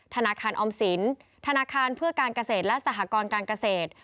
ธนาคารออมสินธนาคารเพื่อการเกษตรและสหกรการเกษตร